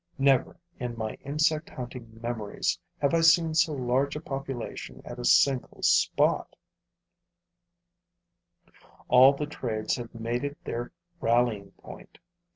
Never, in my insect hunting memories, have I seen so large a population at a single spot; all the trades have made it their rallying point.